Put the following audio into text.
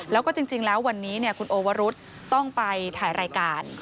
แล้วก็จริงแล้ววันนี้คุณโอวรุษต้องไปถ่ายรายการ